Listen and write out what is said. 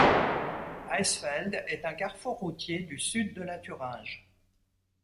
Eisfeld est un carrefour routier du sud de la Thuringe.